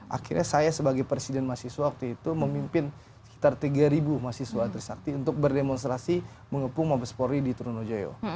akhirnya saya sebagai presiden mahasiswa waktu itu memimpin sekitar tiga ribu mahasiswa antarsakti untuk berdemonstrasi menghukum mahasiswa polri di tronojoyo